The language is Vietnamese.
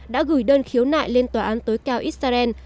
đã gửi đơn khiếu nại lên tòa án tối cao israel